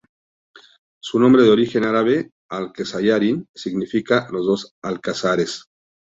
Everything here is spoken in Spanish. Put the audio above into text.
Su nombre de origen árabe "al-qasrayn" significa "los dos alcázares".